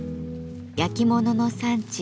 焼き物の産地